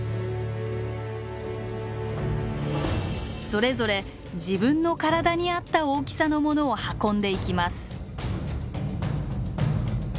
それぞれ自分の体に合った大きさのものを運んでいきます。